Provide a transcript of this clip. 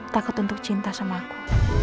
takut untuk cinta sama aku